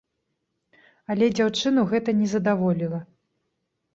Але дзяўчыну гэта не задаволіла.